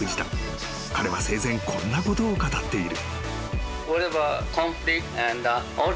［彼は生前こんなことを語っている］